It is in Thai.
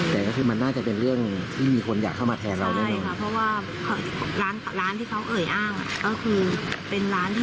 แต่ก็คือมันน่าจะเป็นเรื่องที่มีคนอยากเข้ามาแทนเราแน่